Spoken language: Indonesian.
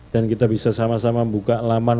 dan kita bisa sama sama buka laman